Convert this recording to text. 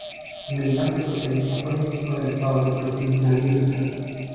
Militante socialista, fue ministro de Estado del presidente Pedro Aguirre Cerda.